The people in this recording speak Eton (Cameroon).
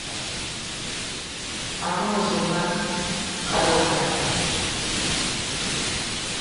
Amot zuga mekad wa dam: